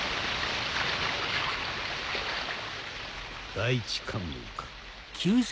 第一関門か。